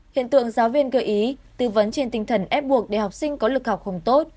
hiện tượng giáo viên gợi ý tư vấn trên tinh thần ép buộc để học sinh có lực học không tốt